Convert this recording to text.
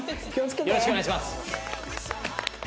よろしくお願いします。